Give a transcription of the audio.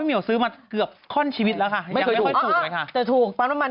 พี่เมียวเมาท์ไปซื้อที่ไหนบ้างล่ะคะปั๊มปัมมัน